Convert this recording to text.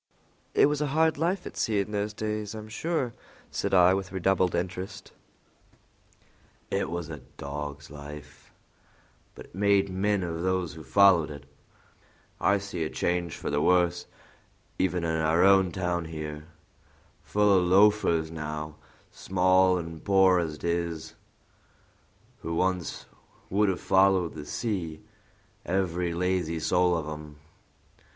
"It was a hard life at sea in those days, I am sure," said I, with redoubled interest. "It was a dog's life," said the poor old gentleman, quite reassured, "but it made men of those who followed it. I see a change for the worse even in our own town here; full of loafers now, small and poor as 'tis, who once would have followed the sea, every lazy soul of 'em.